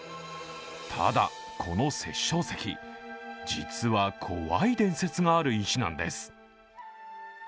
ただ、この殺生石実は怖い伝説がある石なんです。